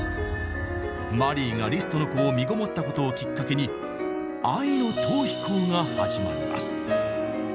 マリーがリストの子をみごもったことをきっかけに愛の逃避行が始まります。